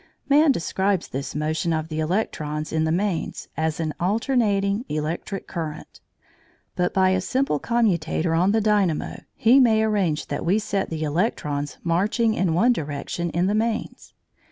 Man describes this motion of the electrons in the mains as an alternating electric current, but by a simple commutator on the dynamo he may arrange that we set the electrons marching in one direction in the mains.